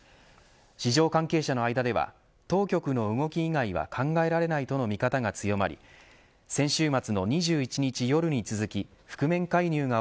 市場関係者の間では当局の動き以外は考えられないとの見方が強まり先週末の２１日夜に続き覆面介入が